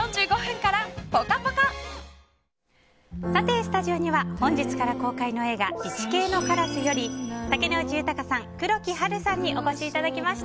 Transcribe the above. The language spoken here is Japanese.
スタジオには本日から公開の映画「イチケイのカラス」より竹野内豊さん、黒木華さんにお越しいただきました。